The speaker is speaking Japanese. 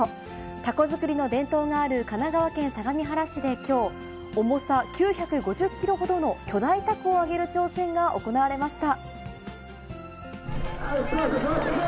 たこ作りの伝統がある神奈川県相模原市できょう、重さ９５０キロほどの巨大たこを揚げる挑戦が行われました。